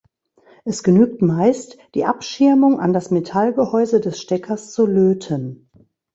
Es genügt meist, die Abschirmung an das Metallgehäuse des Steckers zu löten.